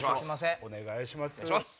お願いします。